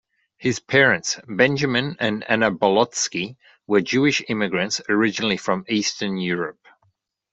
His parents, Benjamin and Anna Bolotsky, were Jewish immigrants originally from Eastern Europe.